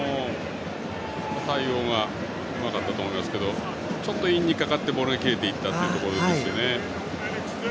対応がうまかったと思いますけどちょっとインにかかってボールが切れましたね。